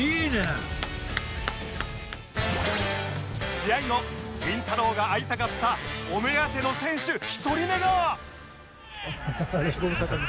試合後りんたろー。が会いたかったお目当ての選手１人目が